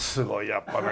やっぱね